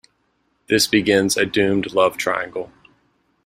This begins a doomed love triangle.